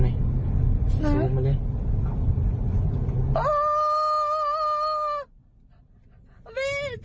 ไม่โด่จริงเคี้ยบลูกกระดือก